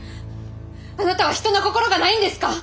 あなたは人の心がないんですか！？